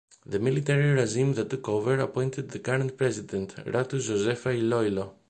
The military regime that took over appointed the current President, Ratu Josefa Iloilo.